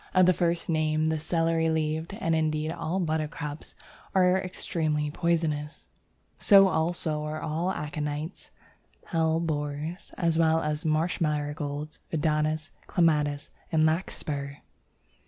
Of the first named, the celery leaved, and indeed all Buttercups, are extremely poisonous; so also are all Aconites and Hellebores, as well as Marsh Marigold, Adonis, Clematis, and Larkspur.